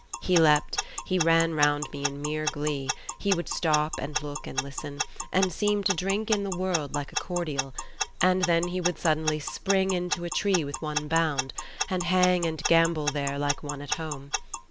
He leaped, he ran round me in mere glee; he would stop, and look and listen, and seem to drink in the world like a cordial; and then he would suddenly spring into a tree with one bound, and hang and gambol there like one at home.